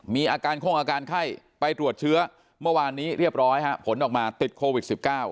มีอาการโค้งอาการไข้ไปตรวจเชื้อเมื่อวานนี้เรียบร้อยผลออกมาติดโควิด๑๙